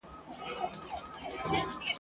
ځنګل د زمرو څخه خالي نه وي ..